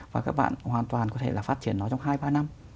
và các bạn hoàn toàn có thể là phát triển nó trong hai ba năm